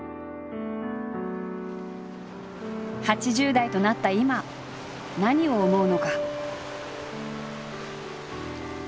８０代となった今何を思うのか？